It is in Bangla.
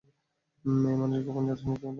মেয়েমানুষের গোপন জাদু সম্পর্কে জানতে গিয়ে।